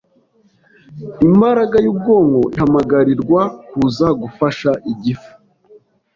Imbaraga y’ubwonko ihamagarirwa kuza gufasha igifu,